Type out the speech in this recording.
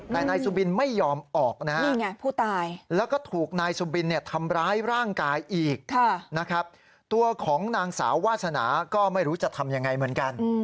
แต่นายสุบินไม่ยอมออกนะฮะนี่ไงผู้ตายแล้วก็ถูกนายสุบินเนี่ยทำร้ายร่างกายอีกนะครับตัวของนางสาววาสนาก็ไม่รู้จะทำยังไงเหมือนกัน